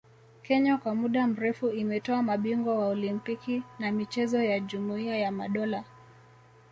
Kenya kwa muda mrefu imetoa mabingwa wa Olimpiki na michezo ya Jumuia ya Madola